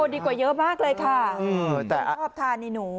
ดีกว่าเยอะมากเลยค่ะแต่ชอบทานนี่หนู